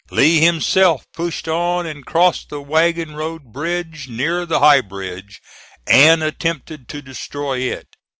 Lee himself pushed on and crossed the wagon road bridge near the High Bridge, and attempted to destroy it.